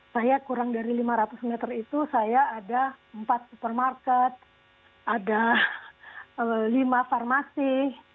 saya kurang dari lima ratus meter itu saya ada empat supermarket ada lima farmasi